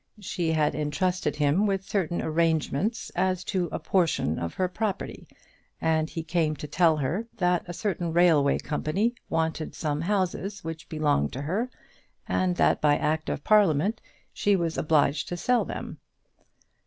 She had entrusted him with certain arrangements as to a portion of her property, and he came to tell her that a certain railway company wanted some houses which belonged to her, and that by Act of Parliament she was obliged to sell them.